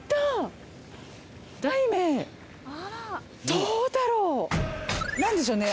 どうだろう？何でしょうね。